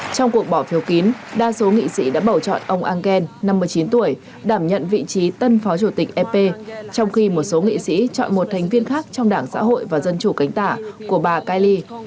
trong cuộc bỏ phiếu kín đa số nghị sĩ đã bầu chọn ông engel năm mươi chín tuổi đảm nhận vị trí tân phó chủ tịch ep trong khi một số nghị sĩ chọn một thành viên khác trong đảng xã hội và dân chủ cánh tả của bà kaily